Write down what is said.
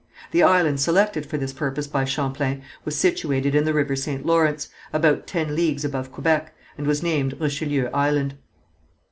The island selected for this purpose by Champlain was situated in the river St. Lawrence, about ten leagues above Quebec, and was named Richelieu Island.